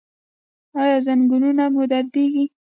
ایا زنګونونه مو دردیږي؟